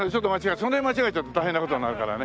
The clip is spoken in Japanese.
その辺間違えちゃうと大変な事になるからね。